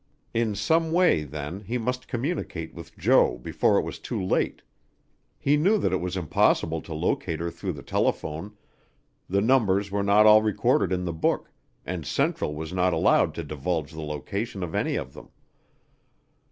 In some way, then, he must communicate with Jo before it was too late. He knew that it was impossible to locate her through the telephone; the numbers were not all recorded in the book, and Central was not allowed to divulge the location of any of them.